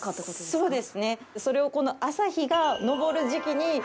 そうです。